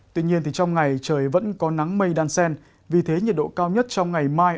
tuy nhiên trong ngày trời vẫn có nắng mây đan sen vì thế nhiệt độ cao nhất trong ngày mai